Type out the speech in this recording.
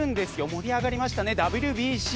盛り上がりましたねＷＢＣ。